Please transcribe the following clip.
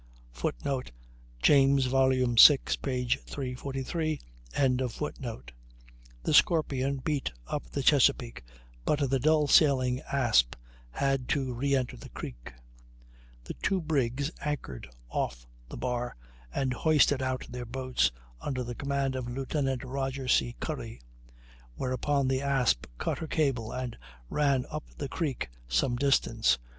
[Footnote: James, vi, 343.] The Scorpion beat up the Chesapeake, but the dull sailing Asp had to reenter the creek; the two brigs anchored off the bar and hoisted out their boats, under the command of Lieutenant Rodger C. Curry; whereupon the Asp cut her cable and ran up the creek some distance.